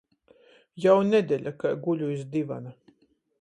Jau nedeļa, kai guļu iz divana.